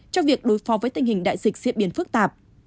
cho việc đối phó với tình hình đại dịch diễn biến phức tạp